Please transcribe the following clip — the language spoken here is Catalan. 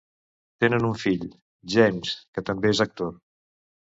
Tenen un fill, James, que també és actor.